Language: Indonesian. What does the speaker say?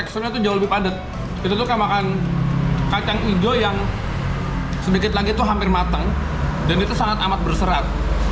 sorghum yang sedikit lagi itu hampir matang dan itu sangat amat berserat